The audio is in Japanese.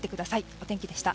お天気でした。